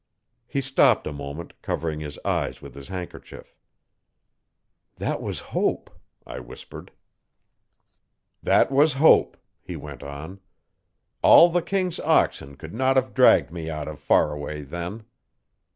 He stopped a moment, covering his eyes with his handkerchief. 'That was Hope,' I whispered. 'That was Hope,' he went on. 'All the king's oxen could not have dragged me out of Faraway then.